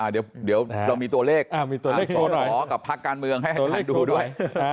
เดี๋ยวเรามีตัวเลขสรกับภาคการเมืองให้ดูด้วย